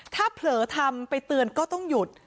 ถ้าเผลอทำไปเตือนก็ต้องหยุด